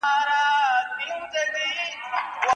نن ځم له لېونو څخه به سوال د لاري وکم